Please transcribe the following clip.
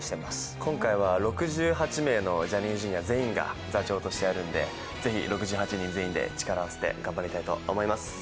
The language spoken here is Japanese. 今回は６８名のジャニーズジュニアが座長としてやるんでぜひ６８人全員で力を合わせて頑張りたいと思います。